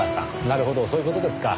なるほどそういう事ですか。